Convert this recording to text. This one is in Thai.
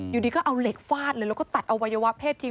อยู่ดีก็เอาเหล็กฟาดเลยแล้วก็ตัดอวัยวะเพศทิ้